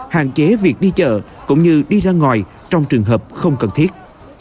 hạn chế việc đi chợ cũng như đi ra ngoài trong trường hợp không cần thiết